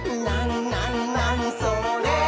なにそれ？」